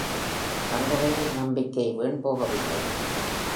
தங்கவேலின் நம்பிக்கை வீண்போகவில்லை.